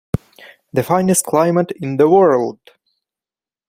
The finest climate in the world!